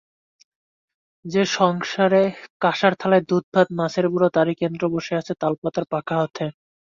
যে-সংসারে কাঁসার থালায় দুধভাত মাছের মুড়ো তারই কেন্দ্রে বসে আছ তালপাতার পাখা হাতে।